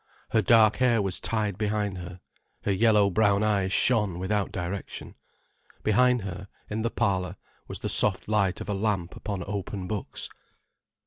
Her dark hair was tied behind, her yellow brown eyes shone without direction. Behind her, in the parlour, was the soft light of a lamp upon open books.